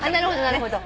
なるほど。